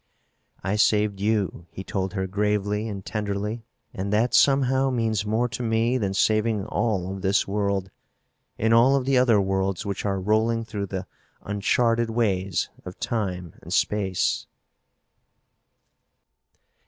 "I saved you," he told her gravely and tenderly, "and that somehow means more to me than saving all of this world and all of the other worlds which are rolling through the uncharted ways of time and space."